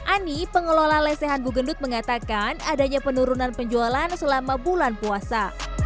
ani pengelola lesehan bugendut mengatakan adanya penurunan penjualan selama bulan puasa